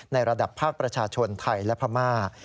ในระดับภาคประชาชนไทยและพม่า